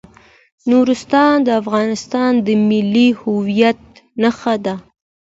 نورستان د افغانستان د ملي هویت نښه ده.